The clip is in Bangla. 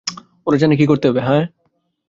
ওরা জানে কি করতে হবে, হ্যাঁ?